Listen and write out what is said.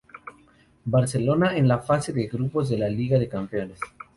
Barcelona, en la fase de grupos de la Liga de Campeones.